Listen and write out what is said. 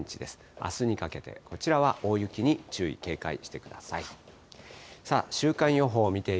あすにかけて、こちらは大雪に注意、警戒してください。